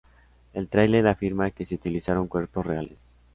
El trailer afirma que se utilizaron cuerpos reales.